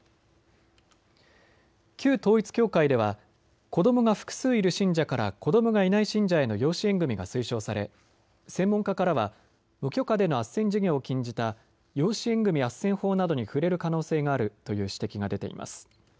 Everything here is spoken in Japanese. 旧統一教会では子どもが複数いる信者から子どもがいない信者への養子縁組みが推奨され、専門家からは無許可でのあっせん事業を禁じた養子縁組あっせん法などに触れる可能性があるという指摘が出ています。